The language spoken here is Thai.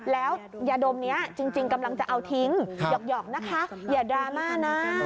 แล้วยาดมนี้จริงกำลังจะเอาทิ้งหยอกนะคะอย่าดราม่านะ